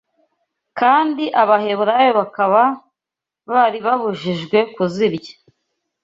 kandi Abaheburayo bakaba bari babujijwe kuzirya